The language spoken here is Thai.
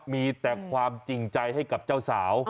มีแต่ความจริงใจให้กับเจ้าสาว